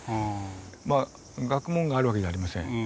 学問があるわけじゃありません。